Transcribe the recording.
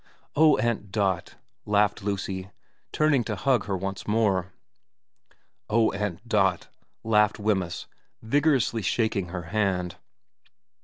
' Oh, Aunt Dot !' laughed Lucy, turning to hug her once more. ' Oh, Aunt Dot !' laughed Wemyss, vigorously shaking her hand.